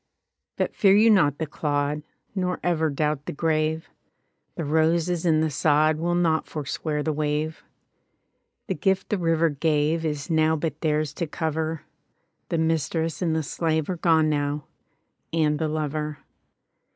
E68| But fear you not the clod, Nor ever doubt the grave: The roses and the sod Will not forswear the wave. The gift the river gave Is now but theirs to cover: The mistress and the slave Are gone now, and the lover.